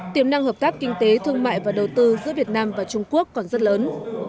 tiềm năng hợp tác kinh tế thương mại và đầu tư giữa việt nam và trung quốc còn rất lớn